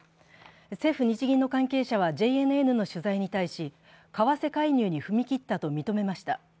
政府・日銀の関係者はＪＮＮの取材に対し、為替介入に踏み切ったと認めました。